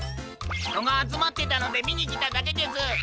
ひとがあつまってたのでみにきただけです。